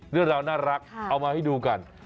เรื่องราวน่ารักเอามาให้ดูกัน